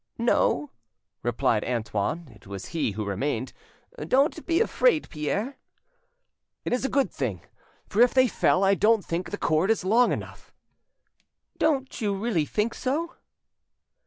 "No," replied Antoine; it was he who remained. "Don't be afraid, Pierre." "It is a good thing; for if they fell I don't think the cord is long enough." "Don't you really think so?"